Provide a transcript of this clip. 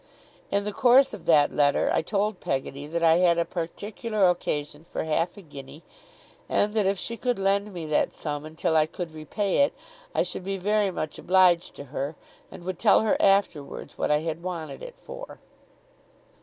In the course of that letter, I told Peggotty that I had a particular occasion for half a guinea; and that if she could lend me that sum until I could repay it, I should be very much obliged to her, and would tell her afterwards what I had wanted it for.